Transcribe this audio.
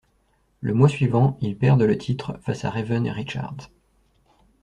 Le mois suivant, ils perdent le titre face à Raven et Richards.